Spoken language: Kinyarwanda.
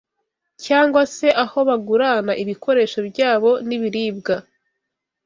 cyangwa se aho bagurana ibikoresho byabo n’ibiribwa